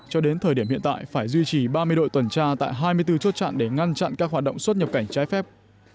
cho đến thời điểm hiện tại phải duy trì ba mươi đội tuần tra tại hai mươi bốn chốt chặn để ngăn chặn các hoạt động xuất nhập cảnh trái phép